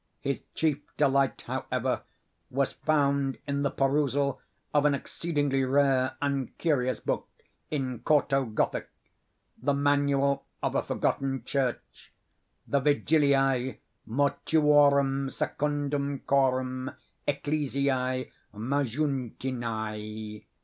His chief delight, however, was found in the perusal of an exceedingly rare and curious book in quarto Gothic—the manual of a forgotten church—the Vigiliae Mortuorum secundum Chorum Ecclesiae Maguntinae.